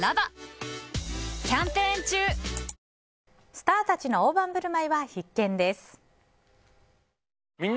スターたちの大盤振る舞いは必見です。